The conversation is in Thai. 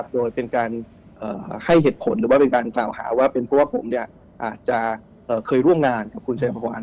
โดยเป็นการให้เหตุผลหรือว่าเป็นการกล่าวหาว่าเป็นเพราะว่าผมอาจจะเคยร่วมงานกับคุณชายพระพร